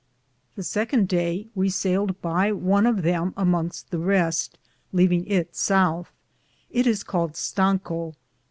The second daye we sailed by one of them emongeste the Reste, leavinge it southe. It is caled Lango.